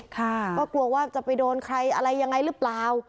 ก็กลัวว่าจะไปโดนใครอะไรยังไงหรือเปล่า